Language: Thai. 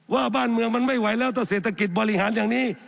ว่าบ้านเมืองมันไม่ไหวแล้วถ้าเศรษฐกิจบริหารอย่างนี้